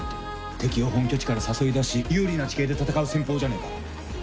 敵を本拠地から誘い出し有利な地形で戦う戦法じゃねえか。